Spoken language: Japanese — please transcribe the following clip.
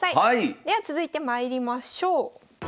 では続いてまいりましょう。